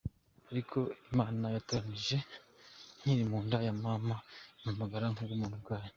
Ariko Imana yantoranije nkiri mu nda ya mama impamagara kubw’ubuntu bwayo.